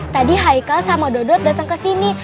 tadi haikal sama dodot dateng kesini